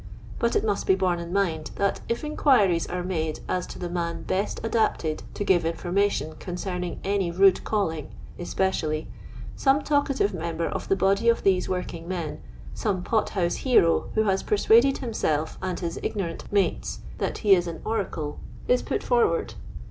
But it must be borne in mind that if inquiries are made as to the man best adapted to give informa tion concerning any rude calling (especially), some talkatire member of the body of these working men, some pot house hero who has pursuaded himself and his ignorant mates that he is an orade, is put forward.